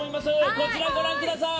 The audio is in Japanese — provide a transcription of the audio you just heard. こちらご覧ください。